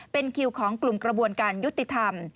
เป็นคิวของกลุ่มกระบวนการยุติธรรม